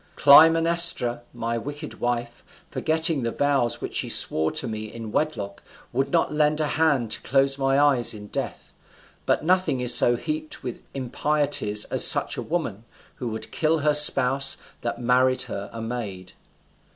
"Clytemnestra, my wicked wife, forgetting the vows which she swore to me in wedlock, would not lend a hand to close my eyes in death. But nothing is so heaped with impieties as such a woman, who would kill her spouse that married her a maid.